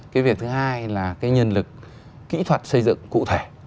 cái việc thứ hai là cái nhân lực kỹ thuật xây dựng cụ thể